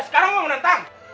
sekarang mau menentang